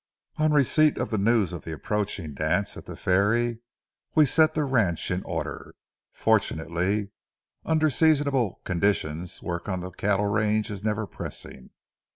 On receipt of the news of the approaching dance at the ferry, we set the ranch in order. Fortunately, under seasonable conditions work on a cattle range is never pressing.